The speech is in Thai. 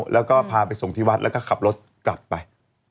แล้วก็พาไปส่งที่วัดแล้วก็ขับรถกลับไป